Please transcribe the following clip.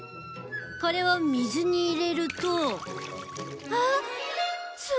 これを水に入れると。